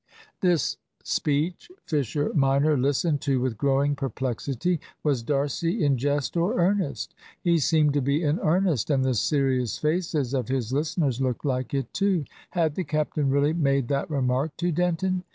This speech Fisher minor listened to with growing perplexity. Was D'Arcy in jest or earnest? He seemed to be in earnest, and the serious faces of his listeners looked like it too. Had the captain really made that remark to Denton?